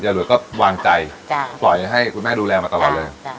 หลวดก็วางใจปล่อยให้คุณแม่ดูแลมาตลอดเลย